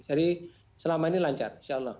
jadi selama ini lancar insya allah